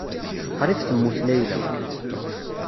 Qrib temmut Layla.